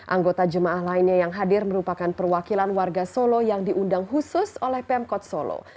anggota jemaah lainnya yang hadir merupakan perwakilan warga solo yang diundang khusus oleh pemkot solo